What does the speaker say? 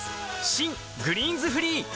新「グリーンズフリー」